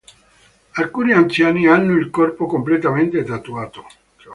Alcuni anziani hanno il corpo completamente tatuato.